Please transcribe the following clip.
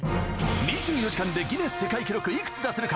２４時間でギネス世界記録いくつ出せるか？